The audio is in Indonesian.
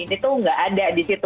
ini tuh nggak ada di situ